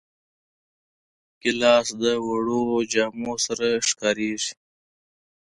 ګیلاس د وړو جامو سره ښکارېږي.